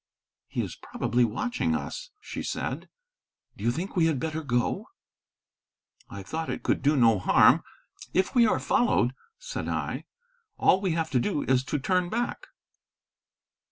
"He is probably watching us," she said. "Do you think we had better go?" I thought it could do no harm. "If we are followed," said I, "all we have to do is to turn back."